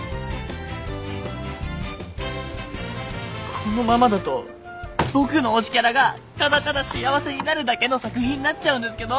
このままだと僕の推しキャラがただただ幸せになるだけの作品になっちゃうんですけど！